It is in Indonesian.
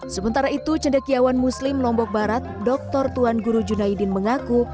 sementara itu cendekiawan muslim lombok barat dr tuan guru junaidin mengaku